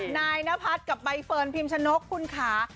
นายนพัฒน์กับใบเฟิร์นพิมชนกคุณค่ะ